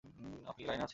আপনি কি লাইনে আছেন?